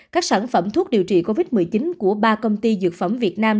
các sản phẩm thuốc điều trị covid một mươi chín của ba công ty dược phẩm việt nam